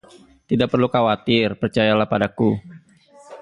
Tidak perlu khawatir, percayalah padaku.